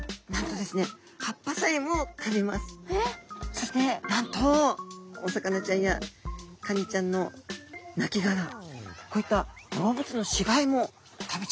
そしてなんとお魚ちゃんやカニちゃんのなきがらこういった動物の死骸も食べちゃうってことなんですね。